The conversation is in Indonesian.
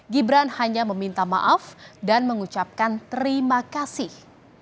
gibran hanya meminta maaf dan mengucapkan terima kasih